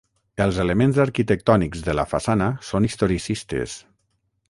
Els elements arquitectònics de la façana són historicistes.